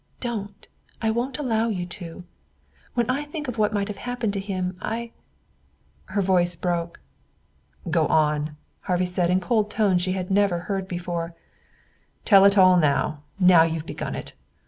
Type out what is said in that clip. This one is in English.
"Don't! I won't allow you to. When I think what may have happened to him, I " Her voice broke. "Go on," Harvey said in cold tones she had never heard before. "Tell it all, now you've begun it.